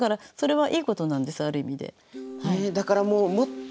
はい。